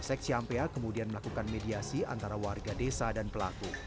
seks ciampea kemudian melakukan mediasi antara warga desa dan pelaku